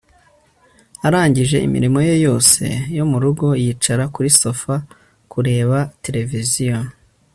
Arangije imirimo ye yose yo mu rugo yicara kuri sofa kureba televiziyo